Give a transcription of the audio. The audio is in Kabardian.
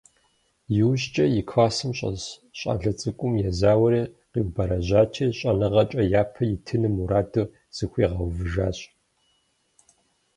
Иужькӏэ и классым щӏэс щӏалэ цӏыкӏум езауэри, къиубэрэжьати, щӏэныгъэкӏэ япэ итыну мураду зыхуигъэувыжащ.